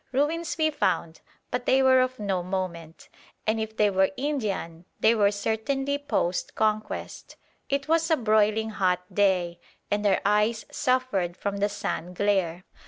Ruins we found, but they were of no moment, and if they were Indian they were certainly post Conquest. It was a broiling hot day, and our eyes suffered from the sand glare.